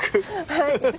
はい。